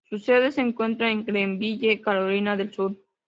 Su sede se encuentra en Greenville, Carolina del Sur.